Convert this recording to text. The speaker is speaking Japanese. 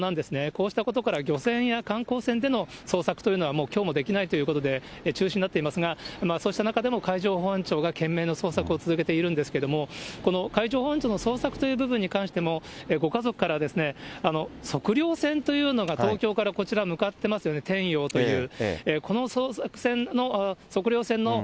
こうしたことから漁船や観光船での捜索というのは、もうきょうもできないということで、中止になっていますが、そうした中でも海上保安庁が続けているんですけれども、この海上保安庁の捜索という部分に関しても、ご家族からは、測量船というのが、東京からこちら向かってますよね、てんようという。